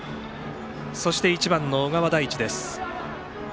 そして１番の小川大地です。